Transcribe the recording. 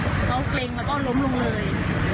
ก็บอกว่าอยู่ดูก็คือเขาเกร็งแล้วก็ล้มลงเลย